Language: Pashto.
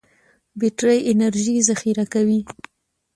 بټري انرژي ذخیره کوي.